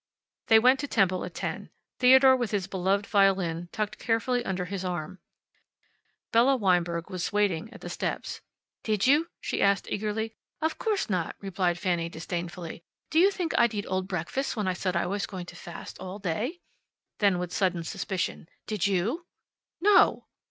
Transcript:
They went to temple at ten, Theodore with his beloved violin tucked carefully under his arm. Bella Weinberg was waiting at the steps. "Did you?" she asked eagerly. "Of course not," replied Fanny disdainfully. "Do you think I'd eat old breakfast when I said I was going to fast all day?" Then, with sudden suspicion, "Did you?" "No!"